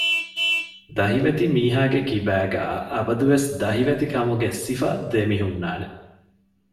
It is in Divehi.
ދަހިވެތި މީހާގެކިބާގައި އަބަދުވެސް ދަހިވެތިކަމުގެ ސިފަ ދެމިހުންނާނެ